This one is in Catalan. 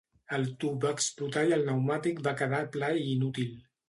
El tub va explotar i el pneumàtic va quedar pla i inútil.